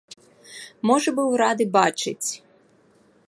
Можа быў рады бачыць.